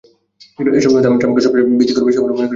এসব সত্ত্বেও আমি ট্রাম্পকে সবচেয়ে ভীতিকর বিষয় বলে মনে করি না।